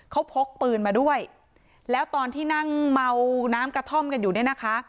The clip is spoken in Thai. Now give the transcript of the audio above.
เขาพกปืนมาด้วยแล้วตอนที่นั่งเมาน้ำกระท่อมกันอยู่เนี่ยนะคะ